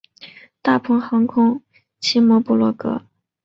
大鹏航空奇摩部落格